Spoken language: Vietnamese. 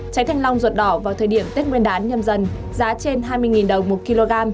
trái thanh long ruột đỏ vào thời điểm tết nguyên đán nhâm dần giá trên hai mươi đồng một kg